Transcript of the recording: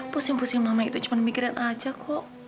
pusing pusing mama itu cuma mikirin aja kok